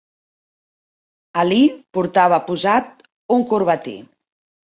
Ali portava posat un corbatí.